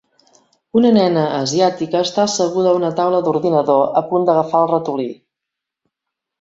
Una nena asiàtica està asseguda a una taula d'ordinador a punt d'agafar el ratolí.